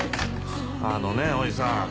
あのねおやじさん